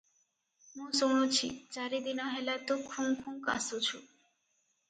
ମୁଁ ଶୁଣୁଛି, ଚାରିଦିନ ହେଲା ତୁ ଖୁଁ ଖୁଁ କାଶୁଛୁ ।